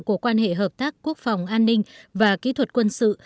của quan hệ hợp tác quốc phòng an ninh và kỹ thuật quân sự